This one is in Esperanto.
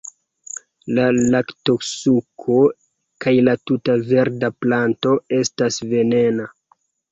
La laktosuko kaj la tuta verda planto estas venena.